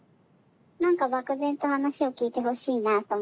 何か漠然と話を聞いてほしいなと思って。